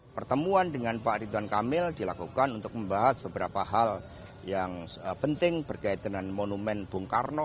pertemuan dengan pak ridwan kamil dilakukan untuk membahas beberapa hal yang penting berkaitan dengan monumen bung karno